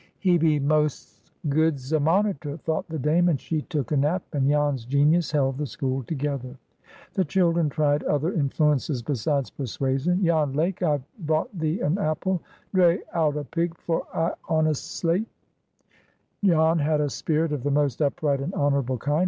"He be most's good's a monitor," thought the Dame; and she took a nap, and Jan's genius held the school together. The children tried other influences besides persuasion. "Jan Lake, I've brought thee an apple. Draa out a pig for I on a's slate." Jan had a spirit of the most upright and honorable kind.